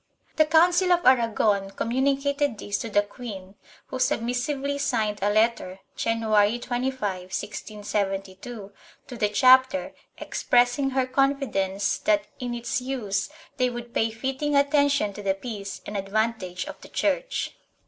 The Council of Aragon com municated this to the queen who submissively signed a letter, January 25, 1672, to the chapter, expressing her confidence that in its use they would pay fitting attention to the peace and advantage of the Church.